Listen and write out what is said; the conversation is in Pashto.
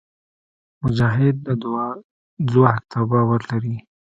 مجاهد د دعا ځواک ته باور لري.